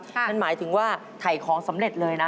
นั่นหมายถึงว่าถ่ายของสำเร็จเลยนะ